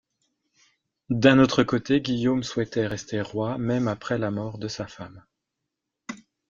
D'un autre côté, Guillaume souhaitait rester roi même après la mort de sa femme.